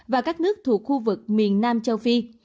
và các nước thuộc khu vực miền nam châu phi